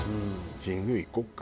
神宮行こうか？